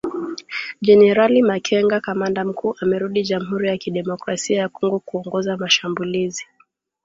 Generali Makenga, kamanda mkuu amerudi Jamhuri ya kidemokrasia ya Kongo kuongoza mashambulizi.